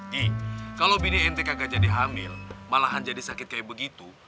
ji kalau bini ente kagak jadi hamil malahan jadi sakit kayak begitu